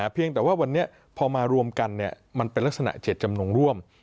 เพียงแต่ว่าวันนี้พอมารวมกันมันเป็นลักษณะเจ็ดจำนงร่วม